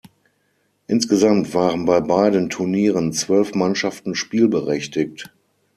Insgesamt waren bei beiden Turnieren zwölf Mannschaften spielberechtigt.